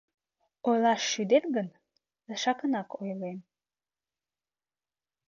Ойлаш шӱдет гын, тышакынак ойлем.